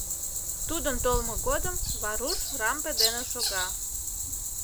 Тудын толмо годым Варуш рампе дене шога.